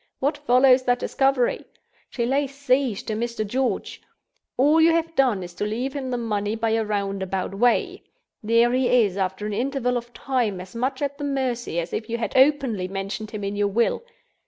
What follows that discovery! She lays siege to Mr. George. All you have done is to leave him the money by a roundabout way. There he is, after an interval of time, as much at her mercy as if you had openly mentioned him in your will.